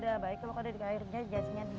tidak ada baik kalau dikair jan